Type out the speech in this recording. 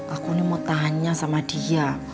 aku ini mau tanya sama dia